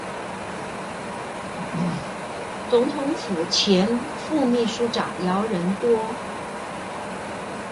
總統府前副祕書長姚人多